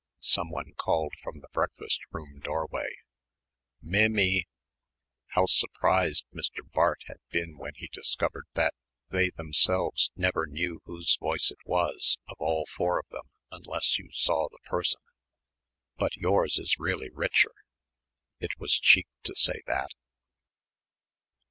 Someone called up from the breakfast room doorway, "Mim my!" How surprised Mr. Bart had been when he discovered that they themselves never knew whose voice it was of all four of them unless you saw the person, "but yours is really richer" ... it was cheek to say that.